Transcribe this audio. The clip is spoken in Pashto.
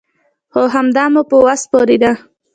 خو همدا مې په وس پوره ده.